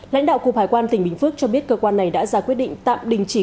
lãnh đạo cục hải quan tỉnh bình phước cho biết cơ quan này đã ra quyết định tạm đình chỉ